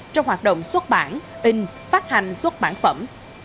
trong hoạt động xuất bản in phát hành xuất bản phẩm